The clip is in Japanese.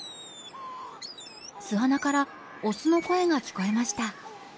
巣穴からオスの声が聞こえました。